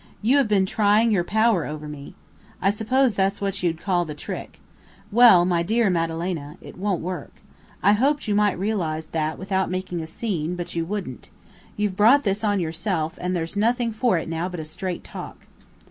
You have been trying your power over me. I suppose that's what you'd call the trick. Well, my dear Madalena, it won't work. I hoped you might realize that without making a scene; but you wouldn't. You've brought this on yourself, and there's nothing for it now but a straight talk.